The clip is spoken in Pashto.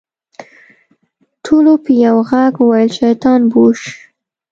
ټولو په يوه ږغ وويل شيطان بوش.